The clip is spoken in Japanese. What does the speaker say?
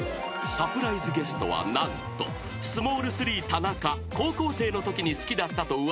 ［サプライズゲストは何とスモール３田中高校生のときに好きだったと噂されるマドンナ］